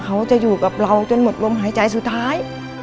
เขาจะอยู่กับเราจนหมดลมหายใจสุดท้าย